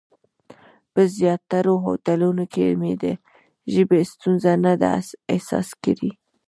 په زیاترو هوټلونو کې مې د ژبې ستونزه نه ده احساس کړې.